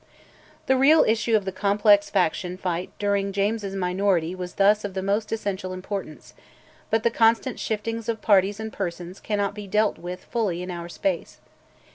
The real issue of the complex faction fight during James's minority was thus of the most essential importance; but the constant shiftings of parties and persons cannot be dealt with fully in our space.